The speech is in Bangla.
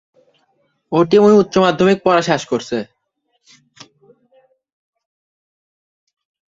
সেখানে তিনি উচ্চ মাধ্যমিক পড়াশোনা সম্পন্ন করেন।